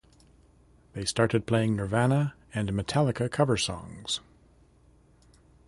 They started playing Nirvana and Metallica cover songs.